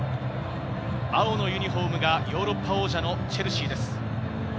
青のユニホームがヨーロッパ王者のチェルシーです。